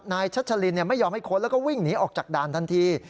ชัชลินไม่ยอมให้ค้นแล้วก็วิ่งหนีออกจากด่านทันที